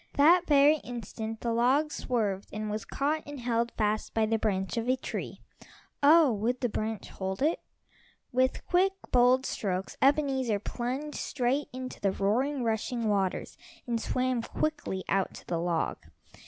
That very instant the log swerved and was caught and held fast by the branch of a tree. Oh, would the branch hold it? With quick, bold strokes Ebenezer plunged straight into the roaring, rushing waters, and swam quickly out to the log.